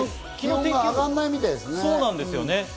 気温が上がらないみたいですね。